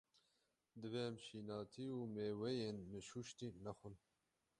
Divê em şînatî û mêweyên neşuştî, nexwin.